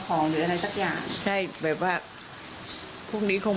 ผู้ชายหนึ่งคนผู้หญิงสองคน